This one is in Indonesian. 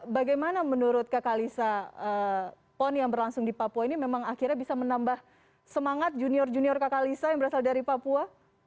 bagaimana menurut kakak lisa pon yang berlangsung di papua ini memang akhirnya bisa menambah semangat junior junior kakak lisa yang berasal dari papua